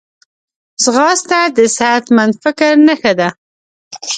ځغاسته د صحتمند فکر نښه ده